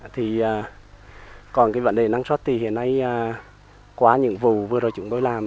thì còn cái vấn đề năng suất thì hiện nay qua những vụ vừa rồi chúng tôi làm